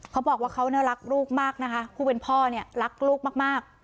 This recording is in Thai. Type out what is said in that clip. เขาบอกว่าเขาน่ารักลูกมากนะคะผู้เป็นพ่อเนี่ยรักลูกมาก